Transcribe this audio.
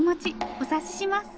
お察しします。